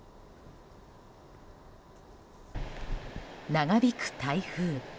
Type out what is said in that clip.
長引く台風。